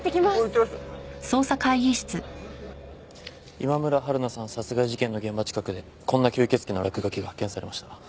今村春菜さん殺害事件の現場近くでこんな吸血鬼の落書きが発見されました。